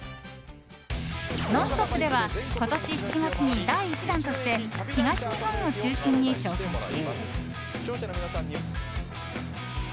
「ノンストップ！」では今年７月に第１弾として東日本を中心に紹介し。